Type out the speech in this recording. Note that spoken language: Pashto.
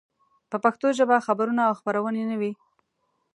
په پښتو ژبه خبرونه او خپرونې نه وې.